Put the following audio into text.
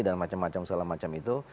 dan macam macam segala macam itu